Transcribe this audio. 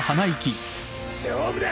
勝負だ！